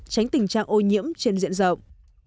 tránh tình trạng ô nhiễm trên diện rộng